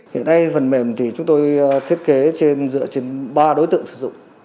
hiện nay phần mềm thì chúng tôi thiết kế trên dựa trên ba đối tượng sử dụng